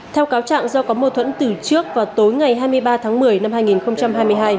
theo cáo trạng do có mô thuẫn từ trước vào tối ngày hai mươi ba tháng một mươi năm hai nghìn hai mươi hai